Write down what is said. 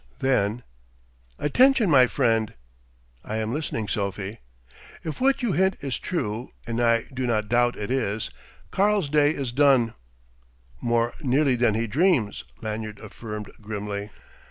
Then "Attention, my friend." "I am listening, Sophie." "If what you hint is true and I do not doubt it is Karl's day is done." "More nearly than he dreams," Lanyard affirmed grimly.